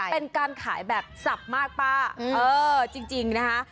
เป็นการขายแบบสับมากป้าเออจริงนะคะ